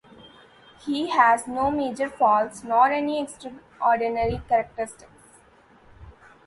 He has no major faults nor any extraordinary characteristics.